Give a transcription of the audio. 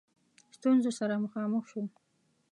ستونزو سره مخامخ شو.